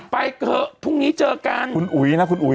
ไปเถอะพรุ่งนี้เจอกัน